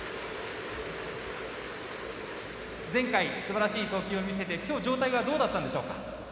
前回、すばらしい投球を見せてきょうは状態はどうだったんでしょうか？